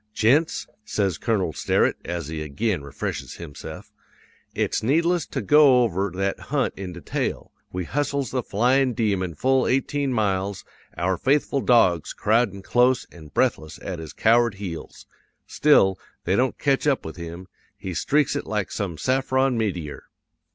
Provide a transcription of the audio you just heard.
"'Gents,' says Colonel Sterett, as he ag'in refreshes hims'ef, 'it's needless to go over that hunt in detail. We hustles the flyin' demon full eighteen miles, our faithful dogs crowdin' close an' breathless at his coward heels. Still, they don't catch up with him; he streaks it like some saffron meteor.